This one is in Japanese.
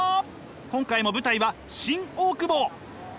今回も舞台は新大久保。